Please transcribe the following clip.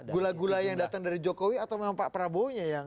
gula gula yang datang dari jokowi atau memang pak prabowo nya yang